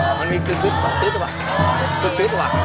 หุ่นปัญญาต่อผู้ถูกครับ